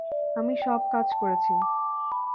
আমি সব কাজ করেছি।